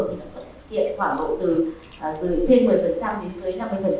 thì nó xuất hiện khoảng bộ từ trên một mươi đến dưới năm mươi